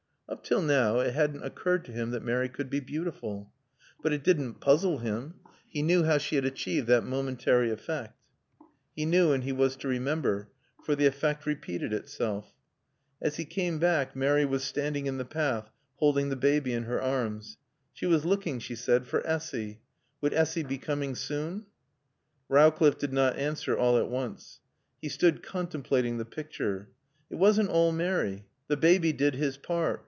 Up till now it hadn't occurred to him that Mary could be beautiful. But it didn't puzzle him. He knew how she had achieved that momentary effect. He knew and he was to remember. For the effect repeated itself. As he came back Mary was standing in the path, holding the baby in her arms. She was looking, she said, for Essy. Would Essy be coming soon? Rowcliffe did not answer all at once. He stood contemplating the picture. It wasn't all Mary. The baby did his part.